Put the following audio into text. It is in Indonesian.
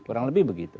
kurang lebih begitu